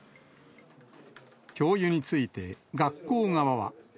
教諭について、学校側は。